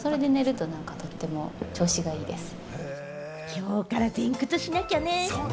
きょうから前屈しなきゃだね。